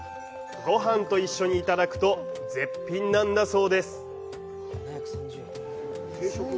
ごはんと一緒にいただくと絶品なんだそうです。